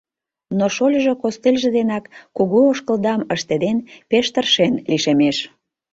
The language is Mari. Но шольыжо костыльжо денак, кугу ошкылдам ыштеден, пеш тыршен лишемеш.